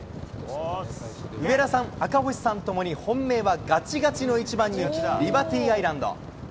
上田さん、赤星さんともに本命はがちがちの１番人気、リバティアイランド。